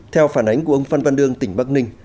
theo phản ánh của ông phan văn đương tỉnh bắc ninh